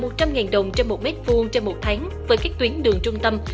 mức thu sử dụng tạm thời lòng đường trên một mét vuông trong một tháng với các tuyến đường trung tâm